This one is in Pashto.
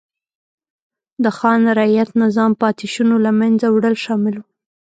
د خان رعیت نظام پاتې شونو له منځه وړل شامل و.